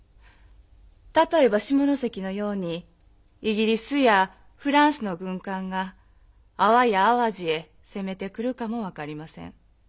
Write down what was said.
例えば下関のようにイギリスやフランスの軍艦が阿波や淡路へ攻めてくるかも分かりません。